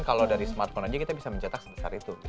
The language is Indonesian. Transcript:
kalau dari smartphone aja kita bisa mencetak sebesar itu